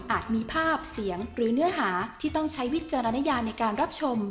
มีภาพเสียงหรือเนื้อหาที่ต้องใช้วิจารณญาในการรับชม